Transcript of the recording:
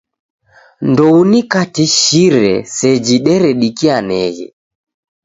Ndouniukatishire seji deredikianeghe.